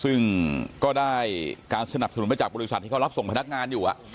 ซึ่งก็ได้การสนับสนุนไปจากบริษัทที่เขารับส่งพนักงานอยู่